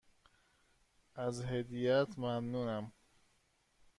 از هدیهات ممنونم.